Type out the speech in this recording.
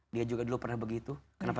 dia juga dulu pernah begitu kenapa